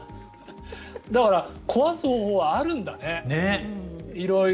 だから壊す方法はあるんだね、色々。